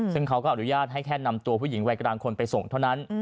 ซึ่งเขาก็อนุญาตให้แค่นำตัวผู้หญิงวัยกลางคนไปส่งเท่านั้น